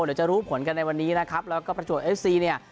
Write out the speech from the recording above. เดี๋ยวจะรู้ผลกันในวันนี้นะครับแล้วก็ประจวบเอฟซีเนี่ย